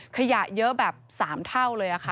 ขยะเยอะแบบ๓เท่าเลยค่ะ